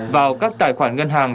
vào các tài khoản ngân hàng